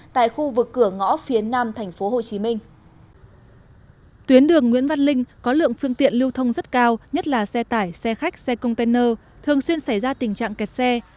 tuyến đường nguyễn văn linh có lượng phương tiện lưu thông rất cao nhất là xe tải xe khách xe container thường xuyên xảy ra tình trạng kẹt xe